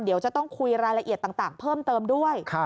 เดี๋ยวจะต้องคุยรายละเอียดต่างเพิ่มเติมด้วย